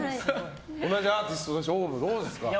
同じアーティストとしてＯＷＶどうですか？